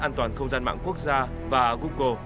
các cơ quan không gian mạng quốc gia và google